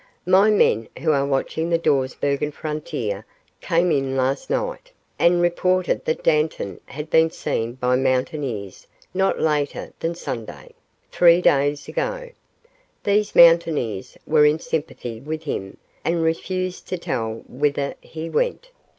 "My men who are watching the Dawsbergen frontier came in last night and reported that Dantan had been seen by mountaineers no later than Sunday, three days ago. These mountaineers were in sympathy with him, and refused to tell whither he went.